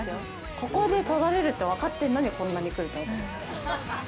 ここで取られるって分かってるのにこんなに来るってことでしょう。